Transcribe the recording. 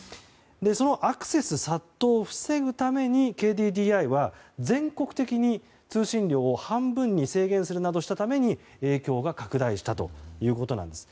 そのアクセス殺到を防ぐためにＫＤＤＩは全国的に通信量を半分に制限するなどしたために影響が拡大したということなんです。